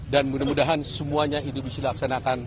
dan mudah mudahan semuanya ini bisa dilaksanakan